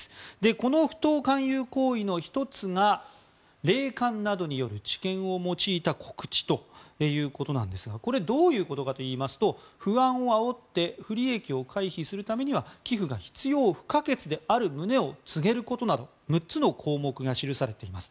この不当勧誘行為の１つが霊感などによる知見を用いた告知ということなんですがどういうことかといいますと不安をあおって不利益を回避するためには寄付が必要不可欠である旨を告げることなど６つの項目が記されています。